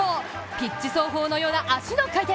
ピッチ走法のような足の回転。